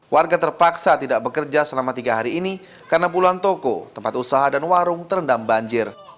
warga terpaksa tidak bekerja selama tiga hari ini karena puluhan toko tempat usaha dan warung terendam banjir